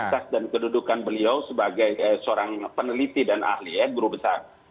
dari kemaksas dan kedudukan beliau sebagai seorang peneliti dan ahli eh guru besar